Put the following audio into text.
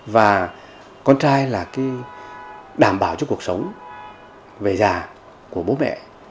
và con trai là đảm bảo cho cuộc sống về già của bố mẹ